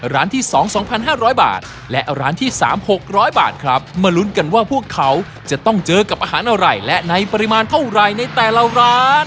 ร้านที่๒๒๕๐๐บาทและร้านที่๓๖๐๐บาทครับมาลุ้นกันว่าพวกเขาจะต้องเจอกับอาหารอะไรและในปริมาณเท่าไหร่ในแต่ละร้าน